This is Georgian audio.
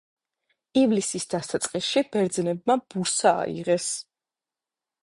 ივლისის დასაწყისში ბერძნებმა ბურსა აიღეს.